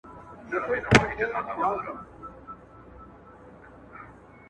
نور به د کابل دحُسن غله شړو,